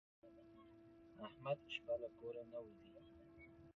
احمد شپه له کوره نه وځي.